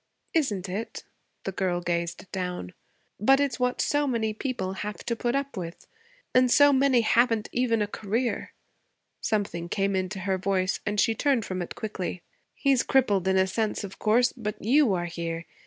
'Isn't it?' The girl gazed down. 'But it's what so many people have to put up with. And so many haven't even a career.' Something came into her voice and she turned from it quickly. 'He's crippled, in a sense, of course. But you are here.